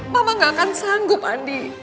mama gak akan sanggup andi